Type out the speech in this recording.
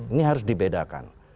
ini harus dibedakan